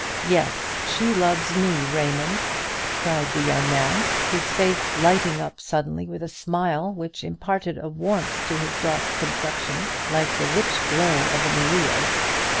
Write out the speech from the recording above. Yes, she loves me, Raymond!" cried the young man, his face lighting up suddenly with a smile, which imparted a warmth to his dark complexion like the rich glow of a Murillo.